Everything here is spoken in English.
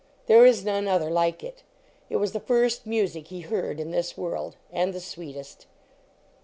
There is none other like it. It was the first music he heard in this world. And the sweetest.